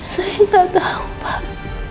saya nggak tahu pak